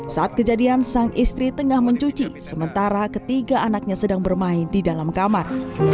saat kejadian sang istri tengah mencuci sementara ketiga anaknya sedang bermain di dalam kamar